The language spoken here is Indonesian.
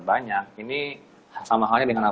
apa maksudnya faka tersengam saja